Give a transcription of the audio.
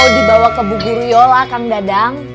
mau dibawa ke buburyo lah kang dadang